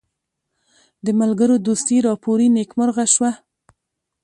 د ملګرو دوستي راپوري نیکمرغه شوه.